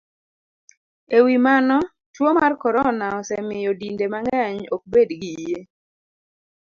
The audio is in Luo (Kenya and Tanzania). E wi mano, tuo mar corona osemiyo dinde mang'eny ok bed gi yie